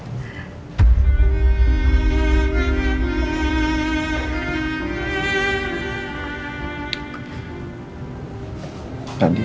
gimana keadaan anak kita